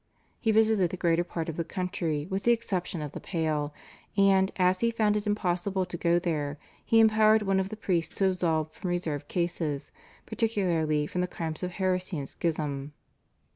He visited the greater part of the country with the exception of the Pale, and, as he found it impossible to go there, he empowered one of the priests to absolve from reserved cases, particularly from the crimes of heresy and schism.